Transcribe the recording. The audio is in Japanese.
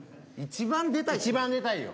一番出たいの？